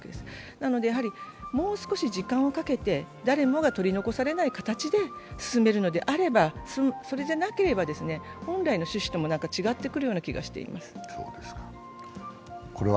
なので、もう少し時間をかけて誰もが取り残されない形で進めるのであれば、それでなければ本来の趣旨とも違ってくるような気がしています。